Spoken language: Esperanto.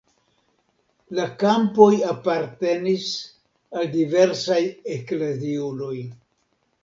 La kampoj apartenis al diversaj ekleziuloj.